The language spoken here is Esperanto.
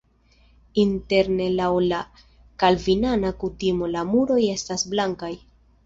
Interne laŭ la kalvinana kutimo la muroj estas blankaj.